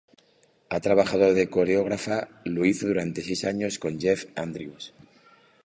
Ha trabajado de coreógrafa, lo hizo durante seis años con "Jeff Andrews".